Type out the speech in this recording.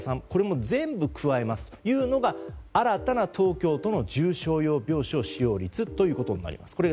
これも全部加えますというのが新たな東京都の重症用病床使用率となります。